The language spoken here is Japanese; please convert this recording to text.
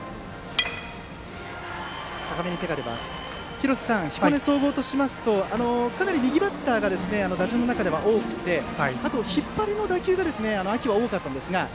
廣瀬さん、彦根総合としますとかなり右バッターが打順の中では多くてあと、引っ張りの打球が秋は多かったんですが。